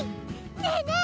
ねえねえ